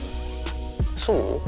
そう？